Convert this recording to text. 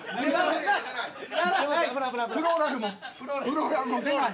フローラルも出ない。